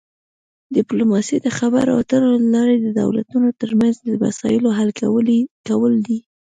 ډیپلوماسي د خبرو اترو له لارې د دولتونو ترمنځ د مسایلو حل کول دي